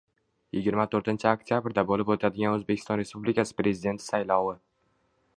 yigirma to'rtinchi oktabrda bo‘lib o‘tadigan O‘zbekiston Respublikasi Prezidenti saylovi